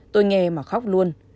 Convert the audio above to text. tôi nghe mà khóc luôn